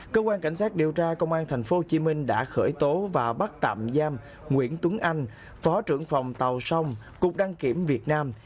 cơ quan cảnh sát điều tra công an tp hcm đã khởi tố và bắt tạm giam nguyễn tuấn anh phó trưởng phòng tàu sông cục đăng kiểm việt nam